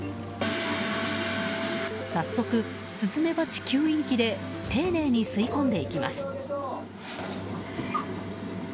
早速、スズメバチ吸引器で丁寧に吸い込んでいきます。